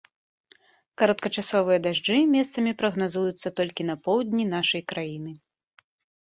Кароткачасовыя дажджы месцамі прагназуюцца толькі на поўдні нашай краіны.